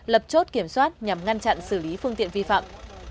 lập chốt kiểm soát nhằm ngăn chặn xử lý phương tiện vi phạm